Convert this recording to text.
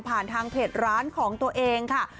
ทางเพจร้านของตัวเองค่ะ